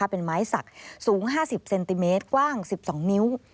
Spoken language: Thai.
เป็นไม้สักสูง๕๐เซนติเมตรกว้าง๑๒นิ้ว